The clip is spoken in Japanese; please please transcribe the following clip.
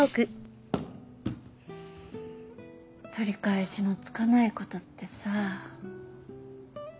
取り返しのつかないことってさ。